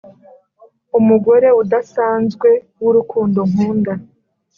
umugore udasanzwe wurukundo nkunda,